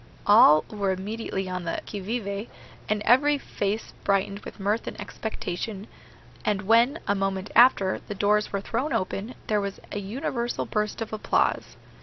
All were immediately on the qui vive, and every face brightened with mirth and expectation; and when, a moment after, the doors were thrown open, there was a universal burst of applause.